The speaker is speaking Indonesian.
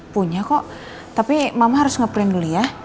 punya kok tapi mama harus nge print dulu ya